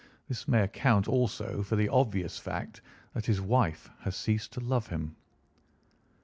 This may account also for the obvious fact that his wife has ceased to love him."